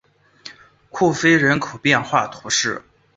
库菲人口变化图示